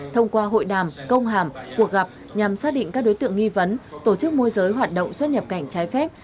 thông qua hội đàm công hàm cuộc gặp nhằm xác định các đối tượng nghi vấn tổ chức môi giới hoạt động xuất nhập cảnh trái phép